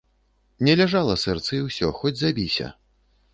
Не ляжала сэрца і ўсё, хоць забіся.